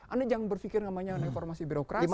anda jangan berpikir namanya reformasi birokrasi